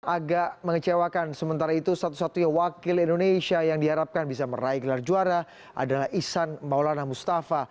agak mengecewakan sementara itu satu satunya wakil indonesia yang diharapkan bisa meraih gelar juara adalah ihsan maulana mustafa